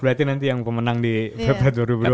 berarti nanti yang pemenang di pbb